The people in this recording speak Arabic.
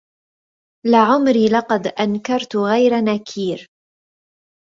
لعمري لقد أنكرت غير نكير